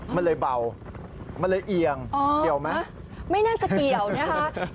มันเลยเบามันเลยเอียงเกี่ยวไหมไม่น่าจะเกี่ยวนะคะ